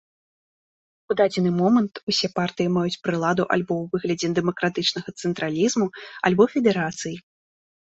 У дадзены момант усе партыі маюць прыладу альбо ў выглядзе дэмакратычнага цэнтралізму, альбо федэрацыі.